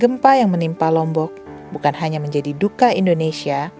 gempa yang menimpa lombok bukan hanya menjadi duka indonesia